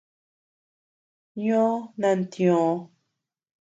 Ñoo nantioö.